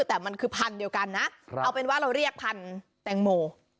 แต่มันคือพันธุ์เดียวกันนะเอาเป็นว่าเราเรียกพันธุ์แตงโม